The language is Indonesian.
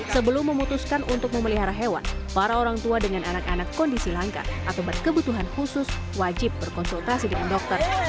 sebelum memutuskan untuk memelihara hewan para orang tua dengan anak anak kondisi langka atau berkebutuhan khusus wajib berkonsultasi dengan dokter